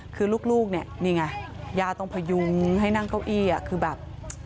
คือลูกเนี่ยนี่ไงย่าต้องพยุงให้นั่งเก้าอี้คือแบบ